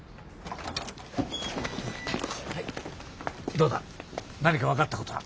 どうだ何か分かったことは？